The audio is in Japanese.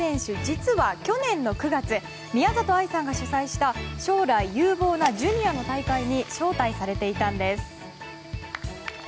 実は去年の９月宮里藍さんが主催した将来有望なジュニアの大会に招待されていたんです。